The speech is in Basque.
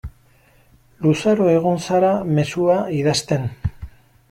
Luzaro egon zara mezua idazten.